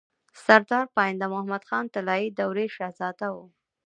سردار پاينده محمد خان طلايي دورې شهزاده وو